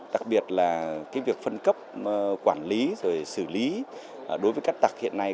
đặc biệt là việc phân cấp quản lý rồi xử lý đối với cát tặc hiện nay